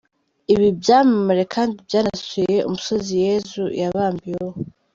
Ibi byamamare kandi byanasuye umusozi Yezu yabambiweho.